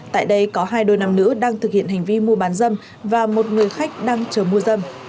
tại đây có hai đôi nam nữ đang thực hiện hành vi mua bán dâm và một người khách đang chờ mua dâm